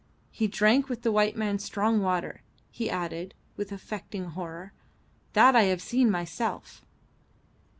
He drank the white man's strong water," he added, with affected horror. "That I have seen myself."